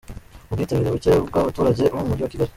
Ubwitabire bucye bw’abaturage bo mu mujyi wa Kigali.